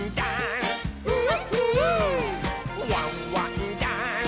「ワンワンダンス！」